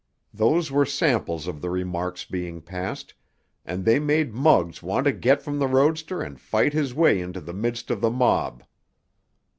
Those were samples of the remarks being passed, and they made Muggs want to get from the roadster and fight his way into the midst of the mob.